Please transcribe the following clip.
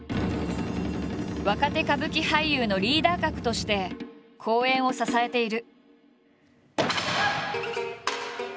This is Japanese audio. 若手歌舞伎俳優のリーダー格として公演を支えている。